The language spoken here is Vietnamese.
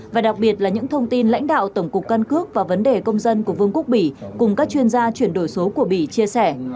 và đặc biệt là những thông tin lãnh đạo tổng cục căn cước và vấn đề công dân của vương quốc bỉ cùng các chuyên gia chuyển đổi số của bỉ chia sẻ